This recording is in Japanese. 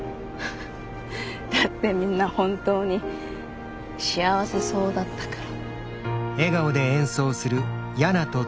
だってみんな本当に幸せそうだったから。